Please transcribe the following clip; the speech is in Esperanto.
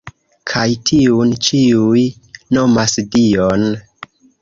Kaj tiun ĉiuj nomas Dion”.